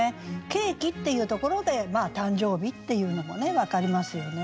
「ケーキ」っていうところで誕生日っていうのも分かりますよね。